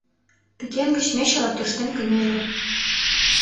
Пӱкен гыч мечыла тӧрштен кынеле.